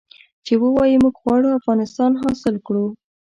چې ووايي موږ غواړو افغانستان حاصل کړو.